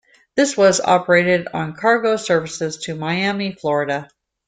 This was operated on cargo services to Miami, Florida.